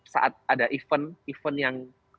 saat ada event event yang